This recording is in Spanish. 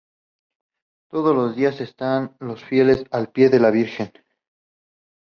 Todos los días están los fieles al pie de la Virgen.